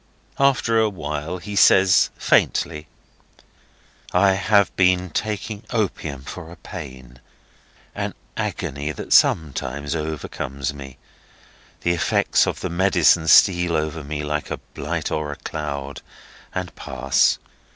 After a while he says faintly: "I have been taking opium for a pain—an agony—that sometimes overcomes me. The effects of the medicine steal over me like a blight or a cloud, and pass.